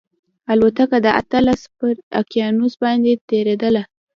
الوتکه د اطلس پر اقیانوس باندې تېرېدله